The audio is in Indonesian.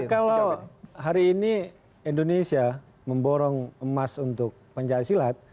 kalau hari ini indonesia memborong emas untuk pencaksilat